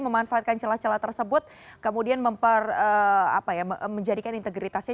memanfaatkan celah celah tersebut kemudian menjadikan integritasnya